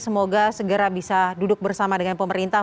semoga segera bisa duduk bersama dengan pemerintah